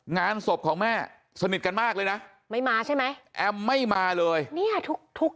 งานศพของแม่สนิทกันมากเลยนะไม่มาใช่ไหมไม่มาเลยทุก